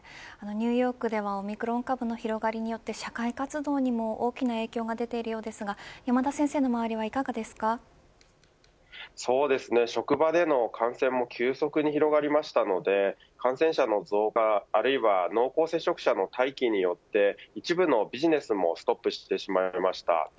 ニューヨークではオミクロン株の広がりによって社会活動にも大きな影響が出ているようですが職場での感染も急速に広がりましたので感染者の増加あるいは濃厚接触者の待機によって一部のビジネスもストップしてしまいました。